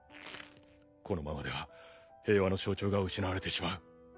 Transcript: このままでは平和の象徴が失われてしまう。